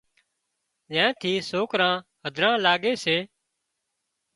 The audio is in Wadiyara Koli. زين ٿي سوڪران هڌران لاڳي سي